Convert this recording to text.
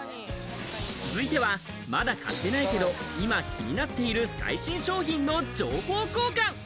続いては、まだ買ってないけど、今気になっている最新商品の情報交換。